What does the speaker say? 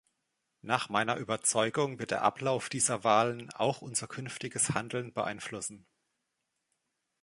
Nach meiner Überzeugung wird der Ablauf dieser Wahlen auch unser künftiges Handeln beeinflussen.